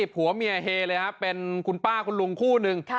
ผัวเมียเฮเลยครับเป็นคุณป้าคุณลุงคู่หนึ่ง